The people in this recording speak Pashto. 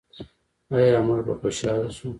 آیا موږ به خوشحاله شو؟